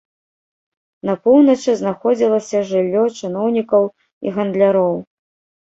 На поўначы знаходзілася жыллё чыноўнікаў і гандляроў.